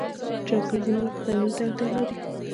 چوکۍ ځینې وخت ترمیم ته اړتیا لري.